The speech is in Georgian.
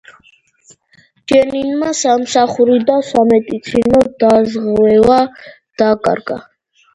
ჯენინმა სამსახური და სამედიცინო დაზღვევა დაკარგა.